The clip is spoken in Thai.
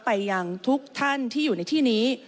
ไปยังทุกท่านที่อยู่ในที่นี้